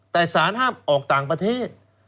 แต่สารห้ามออกต่างประเทศ